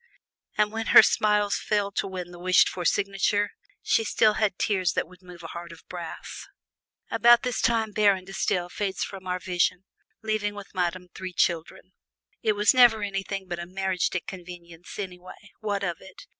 And when her smiles failed to win the wished for signature, she still had tears that would move a heart of brass. About this time Baron De Stael fades from our vision, leaving with Madame three children. "It was never anything but a 'mariage de convenance' anyway, what of it